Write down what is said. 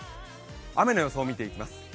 雨の予想を見ていきます。